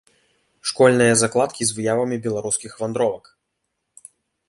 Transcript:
Школьныя закладкі з выявамі беларускіх вандровак.